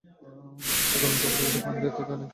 এরা গরম কাপড় ইউরোপ আর ইণ্ডিয়া থেকে আনায়।